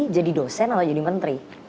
jadi dosen atau jadi menteri